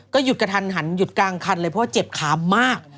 หยุดกระทันหันหยุดกลางคันเลยเพราะว่าเจ็บขามาก